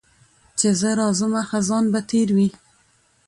چي زه راځمه خزان به تېر وي